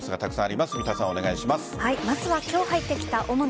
まずは今日入ってきた